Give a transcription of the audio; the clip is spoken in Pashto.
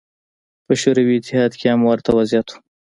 په شوروي اتحاد کې هم ورته وضعیت و.